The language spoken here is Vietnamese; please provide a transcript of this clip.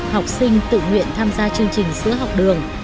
học sinh tự nguyện tham gia chương trình sữa học đường